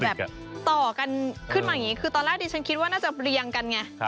ต่อกันขึ้นมาอย่างนี้คือตอนแรกดิฉันคิดว่าน่าจะเรียงกันไง